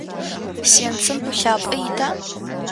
Сенцэм пылъапӏэ ита?